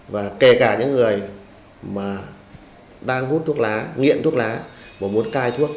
và kể cả những người mà đang hút thuốc lá nghiện thuốc lá và muốn cai thuốc